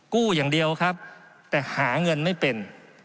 กู้อย่างเดียวครับแต่หาเงินไม่เป็น